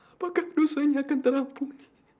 apakah dosanya akan terampung